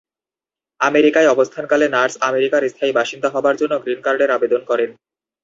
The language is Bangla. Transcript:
আমেরিকায় অবস্থানকালে নার্স আমেরিকার স্থায়ী বাসিন্দা হবার জন্য গ্রিন কার্ডের আবেদন করেন।